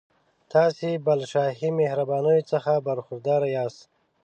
تاسي به له شاهي مهربانیو څخه برخوردار یاست.